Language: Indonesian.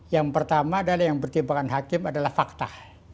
yang pertama adalah yang pertimbangan hakim adalah fakta